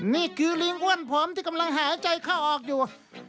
ลิงอ้วนผอมที่กำลังหายใจเข้าออกอยู่